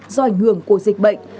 do ảnh hưởng của dịch bệnh